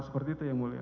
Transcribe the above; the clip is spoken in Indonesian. seperti itu ya mulia